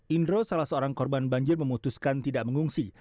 indro salah seorang korban banjir memutuskan tidak mengungsi